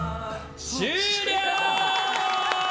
終了！